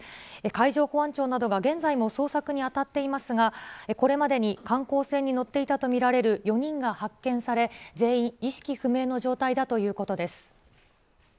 海上保安庁などが現在も捜索にあたっていますが、これまでに観光船に乗っていたと見られる４人が発見され、全員、意識不明の状態だということです。